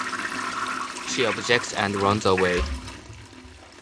She objects and runs away.